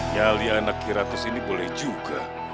yalian akhiratus ini boleh juga